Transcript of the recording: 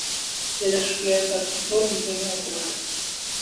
তেজস্ক্রিয়তা থেকেও লিউকেমিয়া হতে পারে।